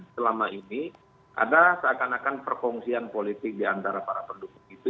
selama ini ada seakan akan perkongsian politik diantara para pendukung itu